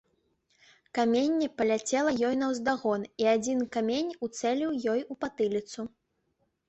Каменне паляцела ёй наўздагон, і адзін камень уцэліў ёй у патыліцу.